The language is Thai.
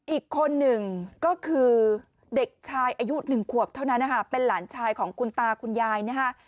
อีกคนหนึ่งก็คือเด็กชายอายุ๑ขวบเท่านั้นนะคะเป็นหลานชายของคุณตาคุณยายนะฮะ